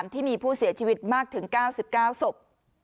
ที่มีผู้เสียชีวิตมากถึง๙๙ศพ